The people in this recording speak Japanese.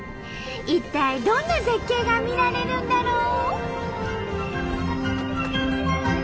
一体どんな絶景が見られるんだろう？